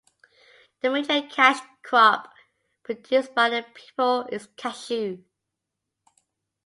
The major cash crop produced by the people is Cashew.